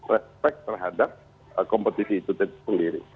respect terhadap kompetisi itu sendiri